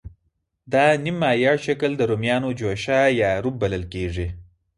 دا نیم مایع شکل د رومیانو جوشه یا روب بلل کېږي.